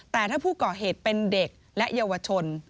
แต่ถ้าผู้ก่อเหตุเป็นเด็กและเยาวชน